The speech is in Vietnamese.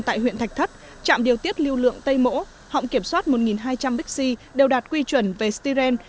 tại huyện thạch thất trạm điều tiết lưu lượng tây mỗ họng kiểm soát một hai trăm linh bixi đều đạt quy chuẩn về styren